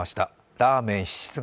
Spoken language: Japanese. ラーメン支出額